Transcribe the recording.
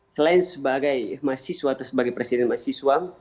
selain sebagai mahasiswa atau sebagai presiden mahasiswa